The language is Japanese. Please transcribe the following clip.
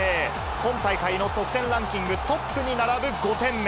今大会の得点ランキングトップに並ぶ５点目。